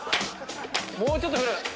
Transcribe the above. もうちょっと振る。